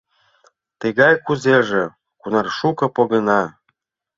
Тыгай кузеже кунар шуко погына.